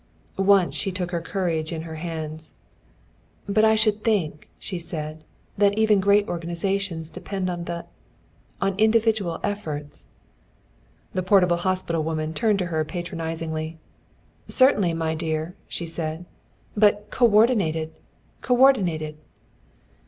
Once she took her courage in her hands. "But I should think," she said, "that even great organizations depend on the on individual efforts." The portable hospital woman turned to her patronizingly. "Certainly, my dear," she said. "But coördinated coördinated."